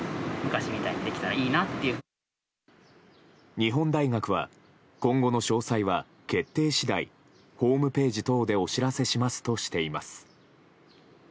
日本大学は今後の詳細は決定次第ホームページ等でお知らせしますとしています。